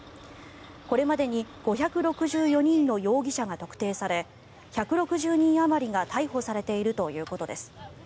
これまでに５６４人の容疑者が特定され１６０人あまりが逮捕されているということです。